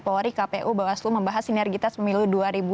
pak erwin iba waslu membahas sinergitas pemilih dua ribu dua puluh empat